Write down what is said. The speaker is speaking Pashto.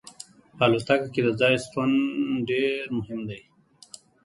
په الوتکه کې د ځای شتون ډیر مهم دی